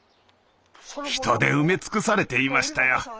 人で埋め尽くされていましたよ。